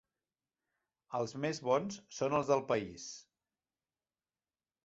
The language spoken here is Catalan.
Els més bons són els del país.